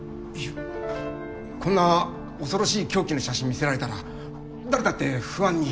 こんな恐ろしい凶器の写真見せられたら誰だって不安に。